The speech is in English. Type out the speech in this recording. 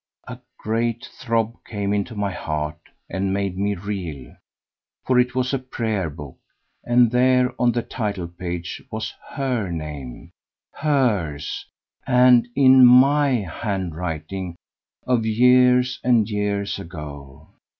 A great throb came into my heart and made me reel; for it was a prayer book, and there on the title page was her name hers, and in my handwriting of years and years ago.